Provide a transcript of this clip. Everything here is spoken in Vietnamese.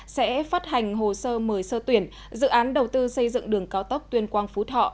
sẽ phát hành hồ sơ mời sơ tuyển dự án đầu tư xây dựng đường cao tốc tuyên quang phú thọ